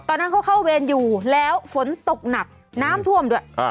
ตอนนั้นเขาเข้าเวรอยู่แล้วฝนตกหนักน้ำท่วมด้วย